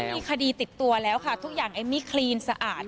มีคดีติดตัวแล้วค่ะทุกอย่างเอมมี่คลีนสะอาด